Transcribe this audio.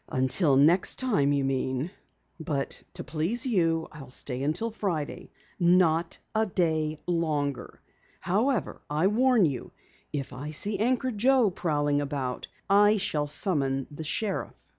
"Until next time, you mean. But to please you I'll stay until Friday. Not a day longer. However, I warn you, if I see Anchor Joe prowling about, I shall summon the sheriff."